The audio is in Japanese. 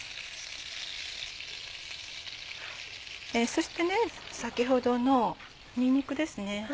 そして先程のにんにくですね。